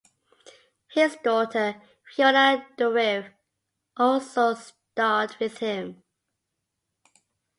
His daughter, Fiona Dourif, also starred with him.